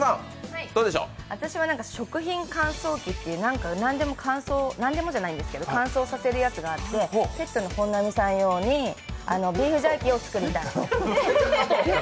私は食品乾燥機っていう、何でもじゃないですけど、乾燥させるやつがあってペットの本並さん用にビーフジャーキーを作りたいと。